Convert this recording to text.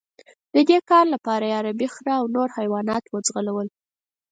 د دې کار لپاره یې عربي خره او نور حیوانات وځغلول.